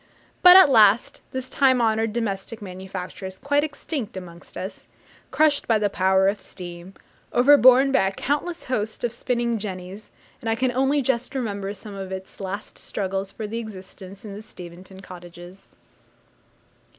But, at last, this time honoured domestic manufacture is quite extinct amongst us crushed by the power of steam, overborne by a countless host of spinning jennies, and I can only just remember some of its last struggles for existence in the Steventon cottages.